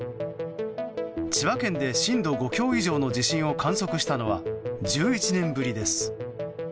千葉県で、震度５強以上の地震を観測したのは１１年ぶりです。